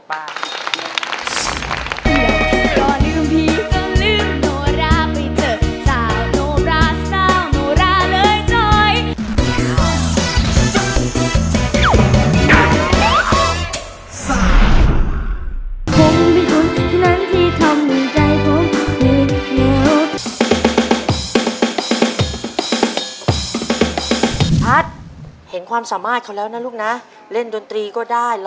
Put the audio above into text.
เพลงไทยประจำทีรอบสุดท้าย